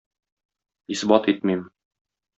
Исбат итмим